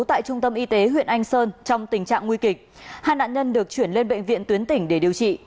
tại trung tâm y tế huyện anh sơn trong tình trạng nguy kịch hai nạn nhân được chuyển lên bệnh viện tuyến tỉnh để điều trị